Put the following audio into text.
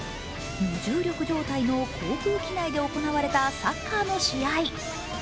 無重力状態の航空機内で行われたサッカーの試合。